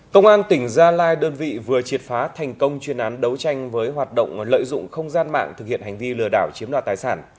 công an tỉnh gia lai đơn vị vừa triệt phá thành công chuyên án đấu tranh với hoạt động lợi dụng không gian mạng thực hiện hành vi lừa đảo chiếm đoạt tài sản